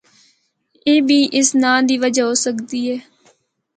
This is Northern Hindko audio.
اے بھی اس ناں دی وجہ ہو سکدی ہے۔